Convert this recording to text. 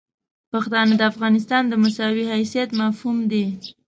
پښتانه د افغانستان د مساوي حیثیت مفهوم دي.